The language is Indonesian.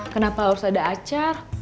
kenapa harus ada acar